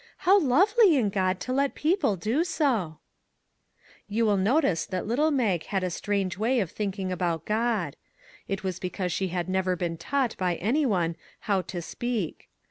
How lovely in God to let people do so !" You will notice that little Mag had a strange way of thinking about God. It was because she had never been taught by any one how to speak.